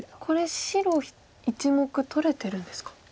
これ白１目取れてるんですか。